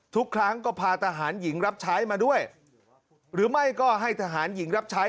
ทุกครั้งก็พาทหารหญิงรับใช้มาด้วยหรือไม่ก็ให้ทหารหญิงรับใช้